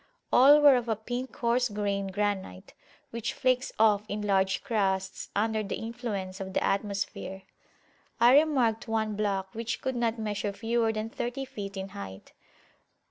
All were of a pink coarse grained granite, which flakes off in large crusts under the influence of the atmosphere. I remarked one block which could not measure fewer than thirty feet in height.